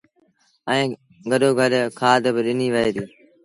ائيٚݩ گڏو گڏ کآڌ با ڏنيٚ وهي ديٚ